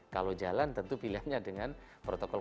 kalau jalan tentu pilihannya dengan protokol